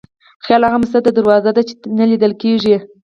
خیال هغه څه ته دروازه ده چې نه لیدل کېږي.